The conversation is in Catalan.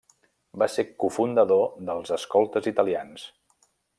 Va ser cofundador dels escoltes italians.